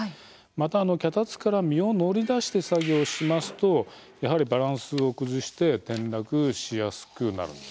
また脚立から身を乗り出して作業しますとやはりバランスを崩して転落しやすくなるんです。